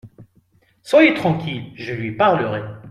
Soyez tranquille ! je lui parlerai !